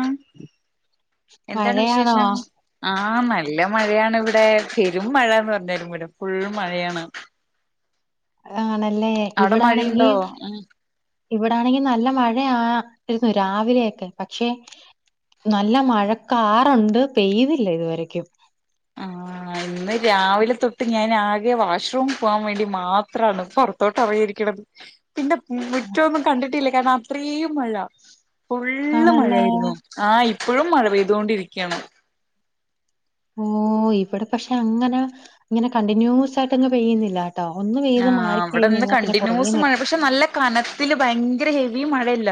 ആഹ് എന്താണ് മഴയാണോ വിശേഷം ആഹ് നല്ല മഴയാണ് ഇവിടെ. പെരും മഴന്ന് പറഞ്ഞാലും വരം ഫുൾ മഴയാണ് ആണല്ലേ അവിടെ ഇവിടാണെങ്കി മഴയുണ്ടോ ഉം ഇവിടൊണെങ്കി നല്ല മഴ ആയിരുന്നു രാവിലെയൊക്കെ പക്ഷെ നല്ല മഴക്കാറൊണ്ട് പെയ്തില്ല ഇതുവരെ ക്കും ആഹ് ഇന്ന് രാവിലെ തൊട്ട് ഞാൻ ആകെ വാഷ്റും പോവാൻ വേണ്ടി മാത്രാണ് പൊ റത്തോട്ട് ഇറങ്ങിയിരിക്കണത് [inaudible] പിന്നെ മുറ്റൊന്നും കണ്ടിട്ടില്ല കാരണം അത്രേയും മഴ ഫുള്ള് ആണല്ലേ. മഴയായിരുന്നു ആഹ് ഇപ്പഴും മഴ പെയ്തോണ്ടിരിക്യാണ് ഓ ഇവിടെ പക്ഷെ അങ്ങന ഇങ്ങനെ കണ്ടിന്യൂസ് ആയിട്ട് അങ്ങ് പെയ്യുന്നില്ല ട്ടോ ഒന്ന്‌ പെയ്ത് ആഹ് ഇവിടെ ഇന്ന് മാറിക്കഴിഞ്ഞഴിഞ പിന്നെ കുറേ കണ്ടിന്യൂസ് നേ മഴ പക്ഷെ നല്ല കനത്തില് ഭയങ്കര ഹെവി മഴയില്ല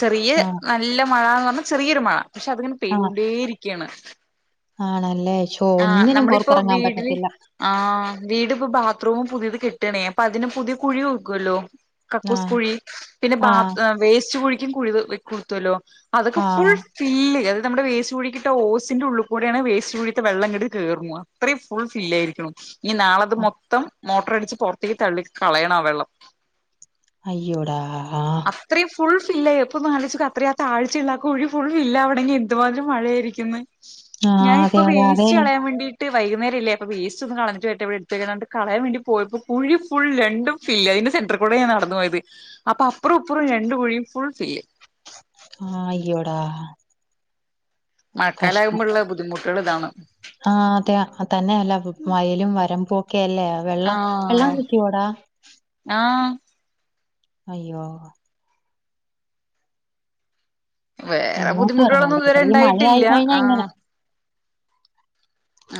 ചെറിയ ആഹ് നല്ല മഴന്ന് പറഞ്ഞാ ചെറിയൊരു മഴ പക്ഷെ അതിങ്ങനെ ആഹ് പെയ്തോണ്ടേ ഇരിക്യാണ് ആണല്ലേ ശ്ശോ ഒന്നിനും നമ്മളിപ്പോ പൊറത്തിറങ്ങാൻ വീടില് പറ്റത്തില്ല ആഹ് വീടിപ്പൊ ബാത്റൂമും പുതിയത് കെട്ട് ആണേ അപ്പൊ അതിന് പുതിയ കുഴി നോക്കുല്ലോ കക്കൂസ് ആഹ് കുഴി പിന്നെ ബാ ആഹ് വേസ്റ്റ് കുഴിക്കും കുഴി കുത്തുവല്ലോ അതൊക്കെ ഫുൾ ആഹ് ഫില്ല് അത് നമ്മുടെ വേസ്റ്റ് കുഴിക്കിട്ട ഓസിന്റെ ഉള്ള് ക്കൂടേണ് വേസ്റ്റ്കുഴി വെള്ളങ്ങട് കേറു അത്രയും ഫുൾ ഫില്ലായിരിക്ക്ണു ഇനി നാളത് അ മൊത്തം മോട്ടർ അടിച്ച് പുറത്തേക്ക് തള്ളി കളയണം ആ വെള്ളം അയ്യോടാ അത്രയും ഫുൾ ഫില്ലായിപ്പോ ന്നാലോചിച്ചോക്ക് അത്രയാകത്താ ഴ്ചയുള്ള കുഴി ഫുൾ ഫി ല്ലാവണെങ്കി എന്തുമാതിരിം മഴയായിരിക്കുന്ന് ആഹ് അതെ, ഞാനിപ്പ അതെ, അതെ. വേയിസ്റ്റ് കളയാൻ വേണ്ടി ട്ട് വൈകുന്നരല്ലേ അപ്പ വേസ്റ്റോന്ന് കള ഞ്ഞട്ട് വരട്ടെ വിടെ എടുത്തേണ്ട് കളയാൻ വേണ്ടി പോയപ്പോ കുഴി ഫുൾ രണ്ടും ഫില്ലയിന്റെ സെന്റർ കൂടെ യ ഞാന്നടന്ന് പോയത് അപ്പൊ അപ്പുറൊ ഇ പ്പുറൊ രണ്ട് കുഴിയും ഫുൾ ഫില്ല് ആഹ് അയ്യോടാ കഷ്ടം. മഴക്കാലാകുമ്പോഴുള്ള ബുദ്ധിമുട്ടുകള് താണ് ആഹ് അതെ തന്നെല്ലാ വയലും വരമ്പും ഒക്കെ അല്ലേ ആഹ് ആഹ് അയ്യോ വേറെ എങ്ങോട്ടും എറങ്ങാൻ ബുദ്ധിമുട്ടുകളൊന്നും ഇത് വരെ പറ്റത്തില്ല ഇ ഈ മഴയായി ണ്ടായിട്ടില്ല കഴിഞ്ഞാ ഇങ്ങനെ ആഹ്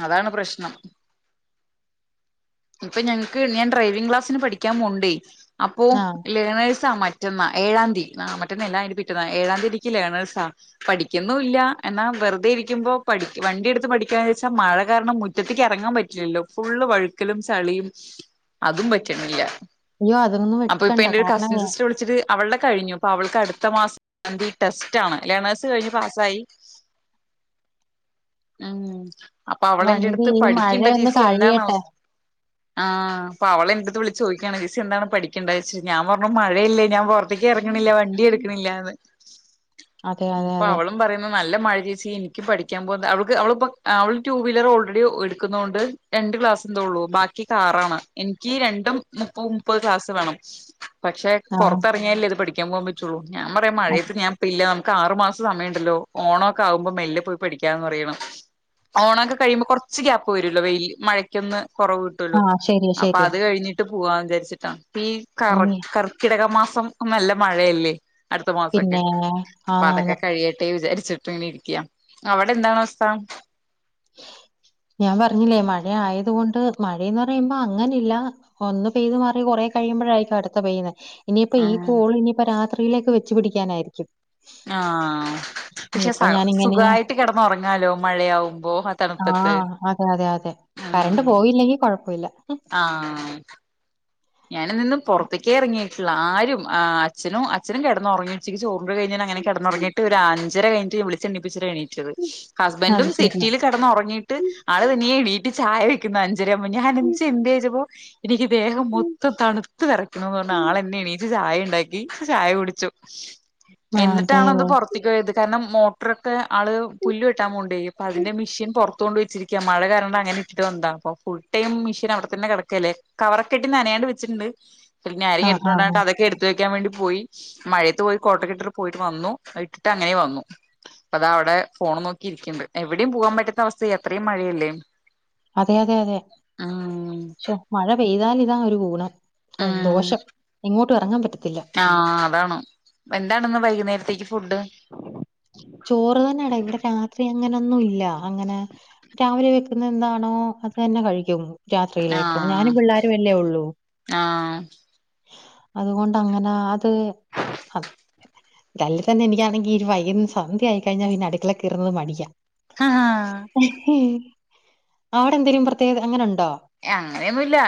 അതാണ് പ്രശ്നം ഇപ്പൊ ഞങ്ങക്ക് ഞാൻ ഡ്രൈവിം ക്ലാസ്സിന് പഠിക്കാൻ പോണണ്ടേ അപ്പോ ആഹ് ലേണേഴ്സ മറ്റ റ്റന്നാ ഏഴാംതി ആ മറ്റന്നല്ല അതിന്റെ പിറ്റന്നാ ഏഴാംതിക്ക് ലേണേർസാ പഠിക്കുന്നുല്ല എന്നാ വെറുതെ ഇരിക്കുമ്പോ പടി വണ്ടി എടുത്ത് പഠിക്കാന്ന്ച്ചാൽ മഴ കാരണം മുറ്റത്തേക്ക് ഇറങ്ങാൻ പ ല്ലോ ഫുള്ള് വഴുക്കലും ചളിയും അതും പറ്റണില്ല അയ്യോ അതൊന്നും അപ്പൊ ഇപ്പൊ എടുക്കണ്ട എന്റെ ഒരു കാരണം കസിൻ വേ- സിസ്റ്റർ വിളിച്ചിട്ട് അവളുടെ കഴിഞ്ഞു അപ്പൊ അവൾക്ക് അടുത്ത മാസംതി ടെസ്റ്റാണ് ലെണേഴസ് കഴിഞ്ഞു പാസ്സായി [inaudible] ഉം അപ്പ വണ്ടി അവളെന്റെടുത്ത് ഈ പഠിക്കിണ്ട മഴയൊന്ന് ചേച്ചി എന്താണവ കഴിയട്ടെ ആഹ് അപ്പ അവള എന്റെടുത്തു വിളിച്ചു ചോദിക്കാണ്ചേച്ചി എന്താണ് പഠിക്കണ്ടച്ച ഞാൻ പറഞ്ഞു മഴയല്ലെ ഞാൻ പൊ ക്ക് ഇറങ്ങണില്ല വണ്ടി എട്ക്ക്ണില്ല ന്ന് അതെ അതെ പ്പൊ അതെ അവളും പറയും നല്ല മഴ ചേച്ചി എനിക്കും പഠിക്കാ പോവാ അവൾക്ക് അവ ടു വീലർ ഓൾറെഡി എടുക്കുന്നോണ്ട് രണ്ട് ക്ലാസ് ന്തള്ളൂ ബാക്കി കാറാണ് എനിക്ക് രണ്ടും മുപ്പത് മുപ്പത് ക്ലാസ് വേണം പക്ഷെ ആഹ് പുറത്തെറങ്ങിയാല്ലെ ഇത് പഠിക്കാൻ പോൻ പറ്റുള്ളൂ ഞാൻ പറയാ മഴയത്ത് ഞാപ്പില്ല ആറു മാസം സമയമുണ്ടല്ലോ ഓണമൊക്കെ ആകുമ്പോ മെല്ലെ പോയി പഠിക്കാന്ന് പറയണം ഓണോക്കെ കഴിയുമ്പ കുറച്ച് ഗ്യാപ്പ് വരുല്ലോ വെയിൽ മഴക്കൊന്ന് കുറവ് [unintelligible] ആഹ് ശരിയാ അപ്പൊ ശരിയാ അത് കഴിഞ്ഞി ഇട്ട് പോവാന്ന് വിചാരിച്ചിട്ടാ ഈ കർ ഇനി കർക്കിടക മാസം നല്ല മഴയല്ലേ അടുത്ത മാസക്കെ പിന്നെ അപ്പൊ അതൊക്കെ ആന്നാന്ന് കഴിയട്ടെ വിചാരിച്ച് രിക്ക അവിടെ എന്താണവസ്ഥ ഞാൻ പറഞ്ഞില്ലേ മഴ ആയത് കൊണ്ട് മഴയെന്ന് പറയുമ്പോ അങ്ങനില്ല ഒന്ന് പെയ്ത് മാറി കൊറേ കഴിയുമ്പഴായിക്കു അടുത്ത പെയ്യന്നെ- ഇനിയിപ്പ ഈ ആഹ് കോള് ഇനിയിപ്പ രാത്രിയിലേക്ക് വച്ച് പിടിക്കാനായിര ആഹ പക്ഷെ സ ഇപ്പൊ ഞാനിങ്ങനെ സുഖവായിട്ട് കെടന്നൊറങ്ങാലോ മഴയാവുമ്പോ തണുപ്പത്ത് ആഹ് അതെ അതെ അതെ കറണ്ട് പോയില്ലെങ്കി കൊഴപ്പ ഇല്ല. ആഹ ഞാൻ ഇന്നൊന്നും പുറത്തിക്കേ ഇറങ്ങിയിട്ടില്ല ആരും അച്ഛനും അച്ഛനും കെടന്നുറങ്ങി ഉച്ചക്ക് ചോറ് കഴിഞ്ഞട്ട് അങ്ങന കിടന്നൊറങ്ങിട്ട് ഒരു അഞ്ചര കഴിഞ്ഞിട്ട് ഞാൻ വിളിച് എണപ്പിച്ചിട്ടാ എണീറ്റത് അത് ഹസ്ബൻഡും ശരിയാ. സിറ്റിൽ കെടന്നൊറങ്ങി ട്ട് ആള് തനിയെ എണീട്ട് ചായ വെക്കുന്നു അഞ്ചര ആമ്പോ ഞാൻ എണീച് എന്തെ ചോയ്ച്ചപ്പൊ എനിക്ക് ദേഹം മൊത്തം ഇ തണുത്ത് വെറക്കുണുന്ന് പറഞ്ഞ് ആളെന്നെ എണീച് ചായ ഉണ്ടാക്കി ചായ കുടിച്ചു ആഹ് അതെ എന്നിട്ടാണൊന്ന് പൊർ- പിതുവയിത് കാരണം മോട്രൊക്കെ ആള് പുല്ല് വെട്ടാൻ മോണ്ടേയി പ്പ അതിന്റെ മെഷീൻ പൊത്തുകൊണ്ട് വെച്ചിരി ക്ക്യ മഴ കരണം അങ്ങനെ ട്ട് വന്താ പ്പൊ ഫുൾടൈം മിഷീൻ അവിടെ തന്നെ കെടക്കേലെ കവറൊക്കെട്ട് നനയാണ്ട് ച്ണ്ട് പിന്നെ ആരേ എട്ത്ത് ആഹ് കൊണ്ട ആഹ് വണ്ട അതൊക്കെ എട് കുത്ത വെക്കാൻ വേണ്ടി പോയി മഴയത്തു പോയി കോട്ടൊക്കെ ഇട്ടിട്ട് പോയിട്ട വന്നു. അത് ഇട്ടിട്ട് അങ്ങനെ വന്നു പ്പതാ ഔടെ ഫോണു നോക്കിയിരിക്ണ്ട് എവിടിം പോവാപറ്റത്ത അവസ്ഥയ എത്രം മഴയല്ലേ. അതെ അതെ അതെ ഉം ശോ മഴ പെയ്താൽ ഇതാ ഒരു ഗുണം. സന്തോഷം എങ്ങോട്ടു ഇറങ്ങാ പറ്റത്തില്ല. ആഹ അതാണ് എന്താണ് ഇന്ന് വൈകുന്നേരത്തേക്ക് ഫുഡ് ചോറ് തന്നെടാ ഇവിടെ രാത്രി അങ്ങനൊന്നും ഇല്ല അങ്ങനെ രാവിലെ വെക്കുന്നെന്താണോ അത് തന്നെ കഴിക്ക്യും രാത്രിയിലേക്കോ ആഹ് ഞാനും പിള്ളേരുവല്ലേ ഒള്ളൂ. അതുകൊണ്ടങ്ങന അത് ഹ. ട്ടല്ലെ തന്നെ എനിക്കാണെങ്കി ഒരു വൈകുന്ന സന്ധ്യായിക്കഴിഞ്ഞ പിന്നെ അടുക്കളെ കെറുന്നത് മടിയ. ആഹ് അവിടെന്തേലും പ്രത്യേക അങ്ങനുണ്ടോ? അങ്ങനെയൊന്നു ഇല്ല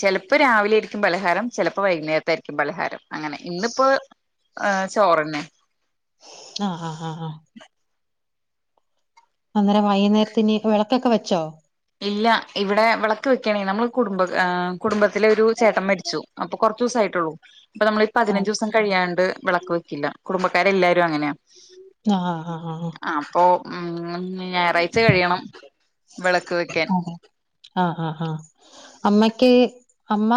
ചിലപ്പോ രാവിലെ ആയിരിക്കും പലഹാരം ചിലപ്പോ വൈകുന്നേരത്തായിരിക്കും പലഹാരം അങ്ങനെ ഇന്നിപ്പോ ചോറെന്നെ ആഹ് ആഹ് ആഹ് ആഹ്. അന്നേരം വൈകുന്നേരത്തി ഇനി വിളക്കൊക്കെ വെച്ചോ ഇല്ല ഇവിടെ വെളക്ക് വെക്ക്യണേ നമ്മൾ കുടുംബ ആ കുടുംബത്തിലെ രു ചേട്ടം മര്ച്ചു. അപ്പൊ കൊർച്ചൂസായിട്ടുള്ളൂ പ്പ നമ്മളീ ആഹ് പതിനഞ്ചുസം കഴിയാണ്ട് വിളക്ക് വെ- കില്ല കുടുംബക്കാരെല്ലാരും അങ്ങനാ. ആഹ ആഹ് ആഹ് ആഹ്. അപ്പൊ ഉം ഞായറാഴ്ച കഴിയണം വിളക്ക് വെക്ക്‌ ആഹ് ആഹ് ആഹ് ആഹ് അമ്മക്ക്യ് അമ്മ.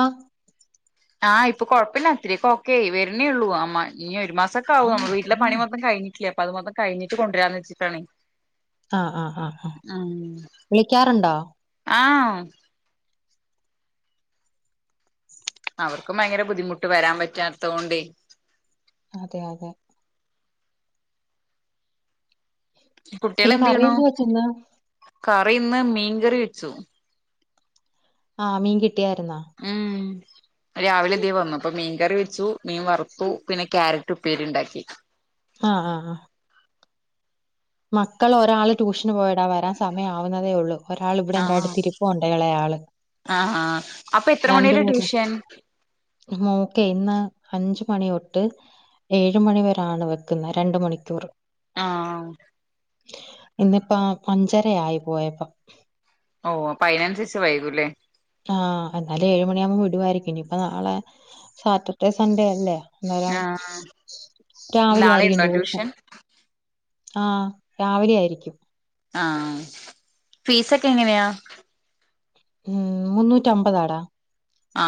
ആഹ് ഇപ്പൊ കൊഴപ്പല്ല ത്തിരിക്കൊക്കെയി വര്ണേ ള്ളൂ അ മ ഞ്ഞൊരു മാസ- ക്കവും നമ്മള് വീട്ടിലെ പണി മൊത്തം കഴിഞ്ഞിട്ടില്ല അപ്പൊ അത് മൊത്തം കഴിഞ്ഞിട്ട് കൊണ്ട് വരാന്ന് വെച്ചിട്ടാണ് ആഹ് ആഹ് ആഹ് അ വിളിക്ക്യാറുണ്ടോ? ആഹ അവർക്കും ഭയങ്കര ബുദ്ധിമുട്ട് വരാ പറ്റാത്തോണ്ടെ. അതെ അതെ. പിന്നെ കറി കുട്ട്യാളെന്തെയ്‌ണു? എന്ത് വെച്ചിന്ന് കറി ഇന്ന് മീങ്കറി വെച്ചു. ആഹ് മീൻ കിട്ടിയായിരുന്നോ? ഉം രാവിലെ തേ വന്നപ്പ മീങ്കറി വെച്ചു മീൻ വറുത്തു പിന്നെ ക്യാര ട്ടു ഉപ്പേരി ഉണ്ടാക്കി ആഹ് ആ ആഹ് മക്കൾ ഒരാള് ട്യൂഷന് പോയടാ വരാൻ സമയം ആവുന്നേ ഉള്ളൂ ഒരാള് ഇവിടെന്റെട് ആഹ് തിരുപ്പുണ്ട് എളെ ആള്. ആഹ് ആഹ്. അപ്പൊ എത്ര മണി വരെ രണ്ടുപേരും ട്യൂഷൻ മോക്കേ ഇന്ന് അഞ്ച് മണി തൊട്ട് ഏഴ് മണിവരാണ് വെക്കുന്ന രണ്ട് മണിക്കൂർ ആഹ് ഇന്നിപ്പ അഞ്ചരയായി പോയപ്പോ ഓ അപ്പയിനനുസരിച്ച് വൈകൂല്ലേ ആഹ് എന്നാലും ഏയ് മണിയാമ്പോ വിടുവായിരിക്കും. ഇനി ഇപ്പോ നാളെ സാറ്റർഡേ സൺഡേ അല്ലേ ആഹ് [unintelligible] രാവിലെ നാളെ ആയിരിക്കും ഉണ്ടോ ട്യൂഷൻ ആഹ് രാവിലെ ആയിരിക്കും ആഹ് ആഹ് ഫീസ് ഒക്കെ എങ്ങനേയാ? ഉം മുന്നൂറ്റി അമ്പതാടാ ആ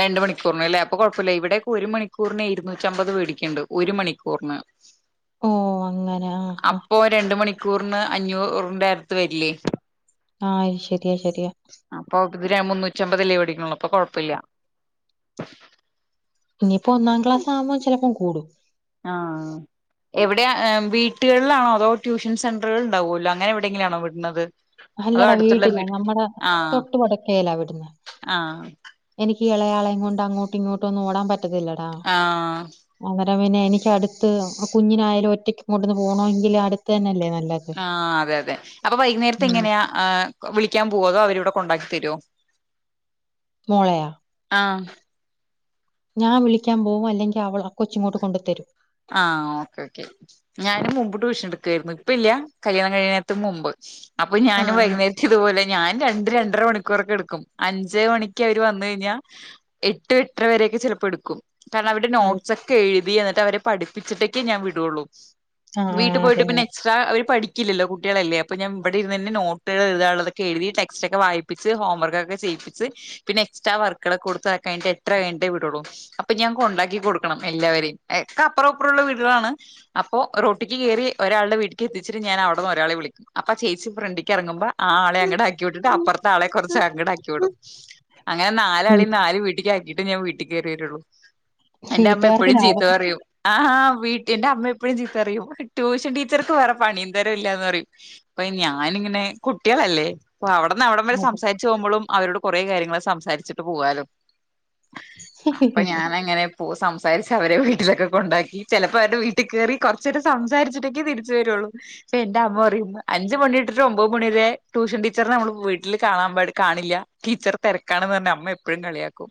രണ്ട് മണിക്കൂറിന അല്ലേ അപ്പൊ കുഴപ്പമില്ല ഇവിടെക്കെ ഒരു മണിക്കൂറിന് ഇരുന്നൂറ്റമ്പത് മെടിക്കുണ്ട് ഒരു മണിക്കൂറിന് ഓ അങ്ങനെ ആഹ് ആ അപ്പൊ രണ്ട് മണിക്കൂറിന് അഞ്ഞൂറിന്റെ അടുത്ത് വരില്ലേ ആഹ് അയ്ശര്യാ ശര്യാ അപ്പോ ഇവിര് മുന്നൂറ്റി അമ്പതല്ലേ വേടിക്കണുള്ളു അപ്പോ കൊഴപ്പല്ല്യ ഇനിയിപ്പോ ഒന്നാംക്ലാസ് ആകുമ്പോ ചിലപ്പോ കൂടും ആഹ് എവിടെയാ വീട്ടുകളിലാണോ അതോ ട്യൂഷൻ സെന്ററ്കൾ ഉണ്ടാവുമല്ലോ അങ്ങനെ എവിടെങ്കിലാണോ വിടുന്നത് അതോ അല്ലടാ അടുത്തുള്ള വീട്ടിലാ വീട് നമ്മടെ ആഹ് തൊട്ട് പട്ക്കേലാ വിടുന്നേ ആഹ് എനിക്ക് ഈ എളയാളേം കൊണ്ട് അങ്ങോട്ടും ഇങ്ങോട്ടൊന്നും ഓടാൻ പറ്റത്തില്ല ആഹ് അന്നേരം പിന്നെ എനിക്ക് അടുത്ത് [unintelligible] കുഞ്ഞിന ആയാലും ഒറ്റയ്ക്ക് എങ്ങോന്ന് പോണ എങ്കില് അടുത്ത് തന്നെല്ലേ നല്ലത് ആഹ് അതേയതെ അപ്പോ ഉം വൈകുന്നേരത്തെങ്ങനെയാ? അഹ് വിളിക്കാൻ പൂവ്വോ അതോ അവരിവിടെ കൊണ്ടാക്കി തര്വോ മോളെയാ ആഹ് ഞാൻ വിളിക്കാൻ പോകും അല്ലെങ്കി അവൾ ആ കൊച്ചിങ്ങോട്ട് കൊണ്ടുത്തരും ആഹ് ഓക്കേ ഓക്കെ ഞാനും മുമ്പ് ട്യൂഷൻ എടുക്കുവായിരുന്നു. ഇപ്പ ഇല്ല്യാ കല്യാണം കഴിയണേത്തും മുമ്പ് അപ്പോ ഞാനും ആഹ് വൈകുന്നേ ഇതുപോലെ ഞാൻ രണ്ട് രണ്ടര മണിക്കൂറൊക്കെ എടുക്കും അഞ്ചര മണിക്ക് അവര് വന്ന് കഴിഞ്ഞാൽ എട്ട് എട്ടര വരൊക്കെ ചെലപ്പോ എടുക്കും കാരണം അവരുടെ ആഹ്. അത് നോട്ട്സ് ഒക്കെ എഴുതി എന്നിട്ട് അവരെ പഠിപ്പിച്ചിട്ടൊക്കേ ഞാൻ വിടുള്ളൂ ആഹ് വീട്ട ആഹ് അതെ പോയിട്ട് പിന്നെ അതെ. എക്സ് എസ്ട്ര പടിക്കില്ലല്ലോ കുട്ടികളല്ല അപ്പ ഞാൻ ഇവിടെ ഇരുനന്നെ നോട്ടു എഴുതാനുള്ളതൊെ എുതിടെക്സ്റ്റ് ഒക്കെ വായി പ്പിച്ച് ഹോംവർക്ക ഒക്കെ ചെയ്യിപ്പിച്ച് പിന്നെ എക്സ്റ്ററ വർക്കു കൊടുത് കഴിട്ട എട്ടര കഴിഞ്ഞിട്ടെ വിടുള്ളൂ അപ്പൊ ഞാൻ കൊണ്ടാക്കി കൊടുക്കും ണം എല്ലാവരേം എക്ക അപ്പറും ഇപ്പറുള്ള വീടുകളാണ്. അപ്പോ റോട്ടിക്ക് കയറി ഒരാളുടെ വീട്ട്ക്ക് എത്തിച്ചിട്ട് ഞാൻ അവിടുന്ന് ഒരാളെ വിളിക്കും അപ്പ ചേച്ചി ഫ്രണ്ടിക്ക് എറങ്ങുമ്പ ആ ആളെ അങ്ങട് ആക്കി വിട്ടിട്ട് അപ്പറത്തെ ആളെ കൊറച്ച് അങ്ങടാക്കി വിടും അങ്ങനെ ഉം നാലാളീം നാല് വീട്ടിക്ക് ആക്കിട്ടേ ഞാൻ വീട്ടിക്കേറി വരുള്ളൂ. എന്റെ അമ്മ വീട്ടുകാർക്ക് എപ്പോഴും ചീത്ത ലാഭം പറയും ആഹാ വീട്ട്ന്റെ അമ്മ എപ്പഴും ചീത്തറിയും ട്യൂഷൻ ടീച്ചർക്ക് വേറെ പണിയും തോരോം ഇല്ലാന്ന് പറയും പ്പ ഞാനിങ്ങനെ കുട്ട്യേളല്ലേ അപ്പൊ അവിടന്ന് അവിടം വരെ അതെ. സംസാരിച്ച് പോകുമ്പോഴും അവരോട് കുറേ കാര്യങ്ങൾ സംസാരിച്ചിട്ട് പോകാലോ അപ്പ ഞാനങ്ങനെ പോ സംസാരിച്ചവരെ വീട്ടിലൊക്കെ കൊണ്ടാക്കി ചെലപ്പോ അവരുടെ വീട്ടി കേറി കൊറ ഇച്ചിരി സംസാരിച്ചിട്ടൊക്കേ തിരിച്ചു വരുള്ളൂ ഇപ്പ എന്റെ അമ്മ പറയും അഞ്ച് മണി ഇട്ടിട്ട് ഒമ്പത് മണി വരെ ട്യൂഷൻ ടീച്ചറെ നമ്മള് വീട്ടില് കാണില്ല ടീച്ചർ തിരക്കാണെന്ന് പറഞ്ഞ അമ്മ എപ്പോഴും കളിയാക്കും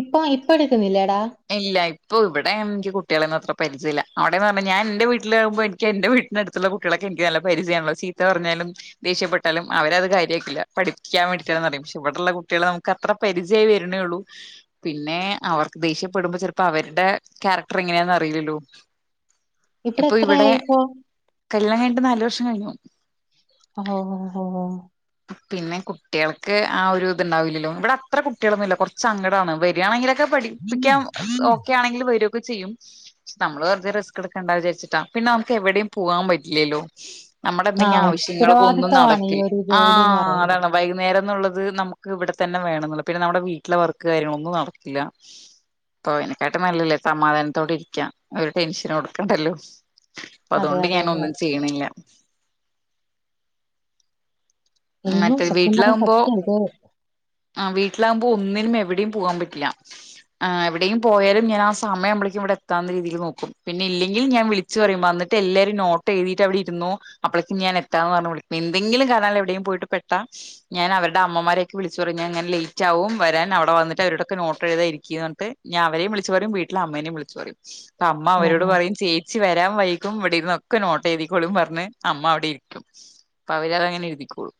ഇപ്പൊ ഇപ്പ എടുക്കുന്നില്ലേടാ ഇല്ല ഇപ്പൊ ഇവിടെ എനിക്ക് കുട്ടികളെന്ന അത്ര പരിചയില്ല അവിടെന്ന് പറഞ്ഞാ ഞാൻ എന്റെ വീട്ടിലാകുമ്പോ എനിക്ക് എന്റെ വീട്ടിൽ ടെ അടുത്തുള്ള കുട്ട്യളെക്കെ എൻക്ക് നല്ല പരിചയണല്ലോ ചീത്ത പറഞ്ഞാലും. ദേഷ്യപ്പെട്ടാലും അവര അത് കാര്യക്കില്ല പഠിക്കാൻ വേണ്ടിയിട്ടാ അറിയുമ്പോ പക്ഷ ഇവിടെള്ള കുട്ടികളെ ന ഇപ്പം പരിചയി വരുന്നേള്ളൂ പിന്നെ അവർക്ക് ദേഷ്യപ്പെടുമ്പോ ചെൽപ്പവര്ടെ ക്യാരക്ടർ എങ്ങനെയന്ന് അറിയില്ലല്ലോ. ഇപ്പൊ ഇവിടെ എത്രയായി ഇപ്പൊ? കല്യാണം കഴിഞ്ഞിട്ട് നാലു വർഷം കഴിഞ്ഞു ഒഹോഹു ഒഹോഹോ. പിന്നെ കുട്ടികൾക്ക് ആ ഒരു ഇത് ഉണ്ടാവില്ലല്ലോ ഇവിടെ അത്ര കുട്ടികളൊന്നുമില്ല കുറച്ച അങ്ങടാണ് വെ യാണെങ്കിലൊക്കെ പഠിപ്പിക്കാൻ ഓക്കെ ആണെങ്കിൽ വരൊക്കെ ചെയ്യും നമ്മള് വെർതെ റിസ്ക്ട്ക്കണ്ടാ വിചാരിച്ചിട്ടാ പിന്നെ നമുക്ക് എവിടെം പോവാം പറ്റില്ലല്ലോ. നമ്മുടെ എന്തെങ്കിലും ആഹ് ആവശ്യങ്ങൊക്കെ ഒന്നും ഉത്തരവാദിത്തമാണ് ഈ നടക്കില്ല ഒരു ജോലിന്ന് ആഹ് പറയുമ്പോ. അതാണ് വൈകുന്നേരം ന്നുള്ളത് നമുക്ക് ഇവിടെ തന്നെ വേണംന്നുള്ള പിന്നെ നമ്മുടെ വീട്ടിലെ വർക്ക് കാര്യങ്ങളൊന്നും നടത്തില്ല. പോയിനെക്കായിട്ടലും നല്ലല്ലേ സമാധാനത്തോട് ഇരിക്കൻ ഒരു ടെൻഷൻ കൊടുക്കണ്ടല്ലോ അപ്പ അതെ അതുകൊണ്ട് അതെ ഞാൻ അതെ ഒന്നും ചെയ്യണില്ല ഉം മറ്റ എങ്ങും സത്യം പറഞ്ഞ വീട്ടിലാവുമ്പോ. സത്യം ഇത് ആ ഹ് വീട്ടിലാകുമ്പോ ഒന്നിനും എവിടെയും പോകൻ പറ്റില്ല ആ എവിടെയും പോയാലും ഞാനാ സമയം മ്പളേക്കും ഇവിടെത്താന്ന രീതിയിൽ നോക്കും പിന്നില്ലങ്കിൽ ഞാൻ വിളി ച്ച് പറുമ്പോ അന്നാട്ട് എല്ലാരും നേട്ട് എഴുതിട്ട് അവിടെ ഇരുന്നേ അപ്പോളേക്ക് ഞാൻ എത്താന്ന് പറഞ് വിളിക്ക എന്തെങ്കിലും കാരണല്ല എവിടെ പോയിട്ട്പ്പെട്ട ഞാൻ അവരുടെ അമ്മമാരെയക്കെ വിളിച്ചു പറഞ്ഞ ഇങ്ങനെ ലേറ്റ് ആകും വരാൻ അവിടെ വന്നട്ട് അവരോടൊക്ക നോട്ട് എഴുതിരിക്ക് എന്ന് പറഞ്ഞിട്ട് ഞാൻ അവരേ വിളു പറയും വീട്ടില അമ്മേ വിളിച്ചു പറയും അമ്മ അവരോട് ആഹ് പറയും ചെയ് ച്ച് വരാ വൈകും ഇവിടിര്ന്ന് ക്കെ നോട്ടെയ്തിക്കോളും പർഞ്ഞ് അമ്മ അവിടിര്ക്കും. അവരതങ്ങനെ എഴുതിക്കോളും.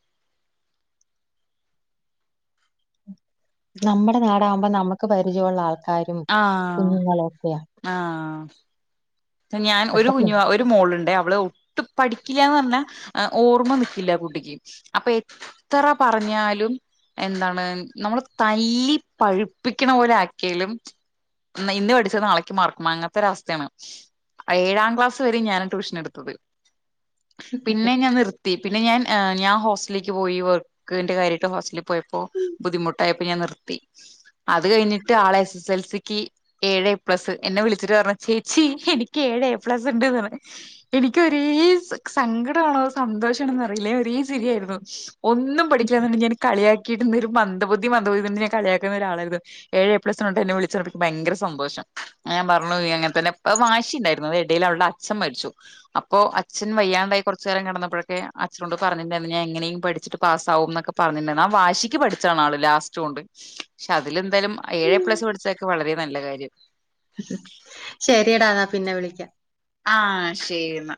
നമ്മുടെ നാടാകുമ്പ നമുക്ക് പരിചയുള്ള ആൾക്കാരും ആഹ് കുഞ്ഞുങ്ങളു ഒക്കെയ. ആഹ് ഞാൻ ഒരു ഇപ്പഴത്തെ കുഞ്ഞുവാ ഒരു മോളുണ്ട് അവള് ഒട്ട് പഠിക്കില്ലന്ന് പറഞ്ഞാ അ ഓർമ്മ ന്ക്കില്ല കുട്ടിക്ക് അപ്പെ എത്ര പറഞ്ഞാലും. എന്താണ് നമ്മള് തല്ലി പഴുപ്പിക്കണ പോലെ ആക്കിയലും. ന്ന ഇന്ന് പഠിച്ചത് നാളേക്ക് മാറക്കുമ അങ്ങനത്തെ ഒരു അവസ്ഥയാണ് അ ഏഴാം ക്ലാസ് വരെ ഞാന് ട്യൂഷനെടുത്തത് പിന്നെ ഞാ നിർ പി പിന്നെ ഞാൻ ഞാ ഹോസ്റ്റലീക്ക് പോയി വർക്ക് ന്റെ കാര്യയ്ട്ട് ഹോസ്റ്റലി പോയപ്പോ. ബുദ്ധിമുട്ടായപ്പ ഞാ നിർത്തി. അത് കഴിഞ്ഞിട്ട് ആളെ എസ് എസ് എൽ സിക്ക് ഏഴ് പ്ലസ് എന്നെ വിളിച്ചിട്ട് പറഞ്ഞ ചേച്ചി എനിക്ക് ക്ക്‌ എഴ് എ പ്ലസ് ണ്ട്ന്ന് എനിക്ക്യു ഒരേ സ് സങ്കടമാണോ സന്തോഷണോന്ന് അറിയില്ലേ ഒരേ ചിരിയായിരുന്നു. ഒന്നും പഠിക്കില്ല എന്ന് പറഞ് ഞാൻ കളിയാക്കിയിരുന്ന ഒരു മന്ദബുദ്ധി മന്ദബുദ്ധി എന്ന് ഞാൻ കളിയാക്കുന്ന ഒരാളായിരുന്നു ഏഴ് എ പ്ലസ്സ് ഉണ്ട് എന്നെ വിളിച്ച് പറഞപേ ഭയങ്കര സന്തോഷം ഞാ പർഞ്ഞോയി അങ്ങൻതനെ അഹ് മാശ് ശി ണ്ടായിരുന്നു അതി എടയിൽ അവൾടെ അഛം മര്ച്ചു. അപ്പോ അച്ഛൻ വയ്യാണ്ടായി കൊർച്ച് കാലം കടന്നപ്പഴൊക്കെ അച്ഛനോട് പറഞ്ഞിണ്ടായിരുന്നു ഞാ എങ്ങനെയും പഠിച്ചിട്ട് പാസ്സാവും ന്നൊക്കെ പർഞ്ഞിണ്ടന്നു ആ വാശിക്ക് പഠിച്ചാണ് ആള് ലാസ്റ്റ് കൊണ്ട്. ക്ഷെ അതിലെന്തയലും ഏഴേ പ്ലസ് പഠിച്ചതൊക്കെ വളരെ നല്ല കാര്യം. ശര്യടാ ന്നാ പിന്നെ വിളിക്ക്യ. ആഹ് ശരിന്നാ